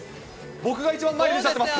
僕が一番前に出ちゃってます